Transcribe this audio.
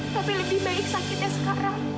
tapi lebih baik sakitnya sekarang